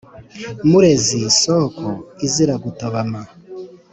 Murezi soko izira gutobama